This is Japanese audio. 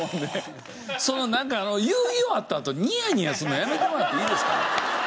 そのなんか言い終わったあとニヤニヤするのやめてもらっていいですか？